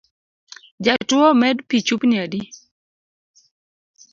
Jatuo omed pi chupni adi